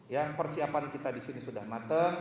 ya persiapan kita disini sudah matang